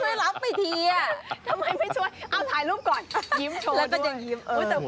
ทำไมไม่ช่วยเอ้าถ่ายรูปก่อนยิ้มโชว์ด้วย